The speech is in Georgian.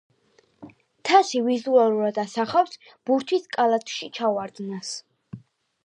თასი ვიზუალურად ასახავს ბურთის კალათში ჩავარდნას.